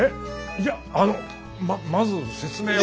いやあのままず説明を。